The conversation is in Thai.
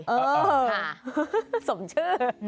เออค่ะสมชื่อ